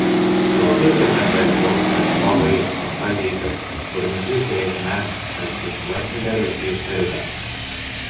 Философия фәндәре докторы, шағир, композитор, күренекле сәйәсмән, бәлки, шулай һөйләргә тейештер ҙә.